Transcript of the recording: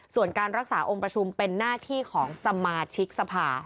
ส่วนการรักษาองค์ประชุมเป็นหน้าที่ของสมาชิกสภา